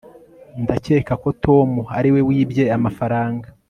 ndakeka ko tom ariwe wibye amafaranga